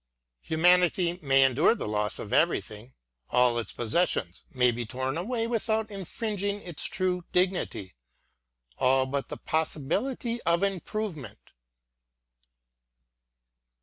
Humanity may endure the loss of everything: all its possessions may be torn a way without infringing its true dignity; — all but the possibility of improvement.